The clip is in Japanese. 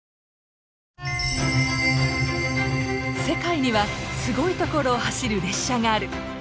世界にはすごい所を走る列車がある！